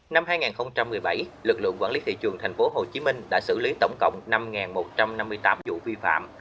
năm hai nghìn một mươi bảy lực lượng quản lý thị trường tp hcm đã xử lý tổng cộng năm một trăm năm mươi tám vụ vi phạm